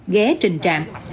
ghé trình trạm